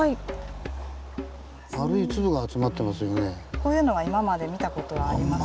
こういうのは今まで見た事はありますか？